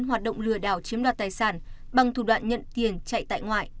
hoạt động lừa đảo chiếm đoạt tài sản bằng thủ đoạn nhận tiền chạy tại ngoại